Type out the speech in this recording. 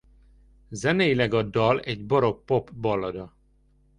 Zeneileg a dal egy barokk pop ballada.